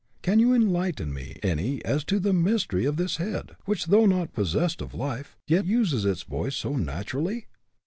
Can you enlighten me any as to the mystery of this head, which, though not possessed of life, yet uses its voice so naturally?"